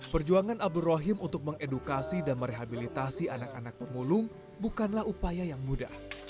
perjuangan abdul rohim untuk mengedukasi dan merehabilitasi anak anak pemulung bukanlah upaya yang mudah